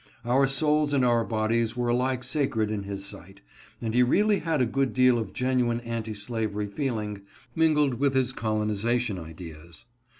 Our souls and our bodies were alike sacred in his sight, and he really had a good deal of genuine anti slavery feeling mingled With his colonization ideas.